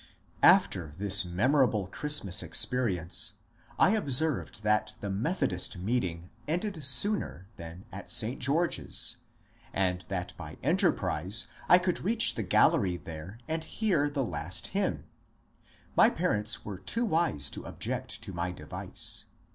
After this memorable Christmas experience I observed that the Methodist ^^ meeting" ended sooner than at St. George's, 46 MONCURE DANIEL CONWAY and that by enterprise I could reach the gallery there and hear the last hymn. My parents were too wise to object to my device.